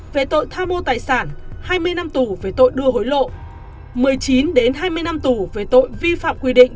về tội tha mua tài sản hai mươi năm tù về tội đưa hối lộ một mươi chín đến hai mươi năm tù về tội vi phạm quy định